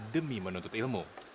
demi menuntut ilmu